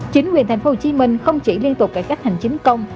chính quyền tp hcm không chỉ liên tục cải cách hành chính công